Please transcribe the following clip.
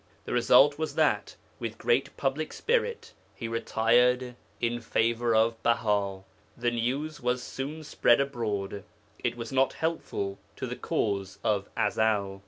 The result was that with great public spirit he retired in favour of Baha. The news was soon spread abroad; it was not helpful to the cause of Ezel.